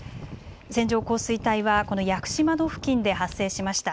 線状降水帯はこの屋久島の付近で発生しました。